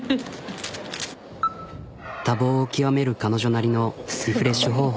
多忙を極める彼女なりのリフレッシュ方法。